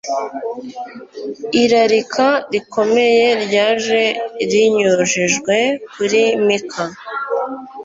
irarika rikomeye ryaje rinyujijwe kuri mika